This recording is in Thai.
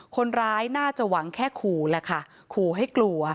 คนร้ายน่าจะหวังแค่ขู่แหละค่ะขู่ให้กลัว